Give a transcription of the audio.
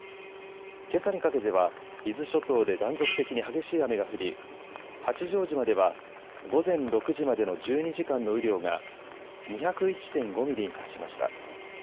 けさにかけては伊豆諸島で断続的に激しい雨が降り八丈島では午前６時までの１２時間の雨量が２０１．５ミリに達しました。